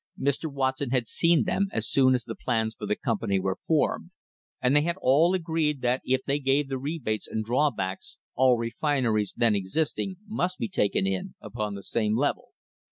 Mr. Watson had seen them as soon as the plans for the com pany were formed, and they had all agreed that if they gave the rebates and drawbacks all refineries then existing must be taken in upon the same level.